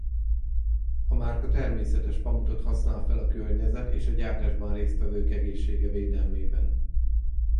A márka természetes pamutot használ fel a környezet és a gyártásban résztvevők egészsége védelmében.